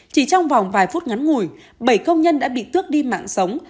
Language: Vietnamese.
chỉ trong vòng vài phút ngắn ngủi bảy công nhân đã bị tước đi mạng sống